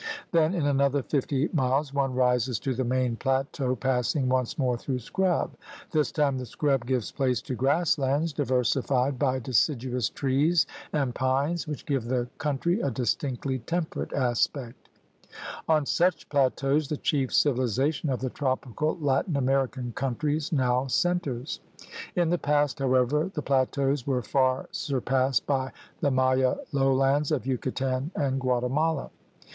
Then in another fifty miles one rises to the main plateau passing once more through scrub. This time the scrub gives place to grass land? THE GARMENT OF VEGETATION 115 diversified by deciduous trees and pines which give the country a distinctly temperate aspect. On such plateaus the chief civilization of the tropical Latin American countries now centers. In the past, however, the plateaus were far surpassed by the Maya lowlands of Yucatan and Guatemala.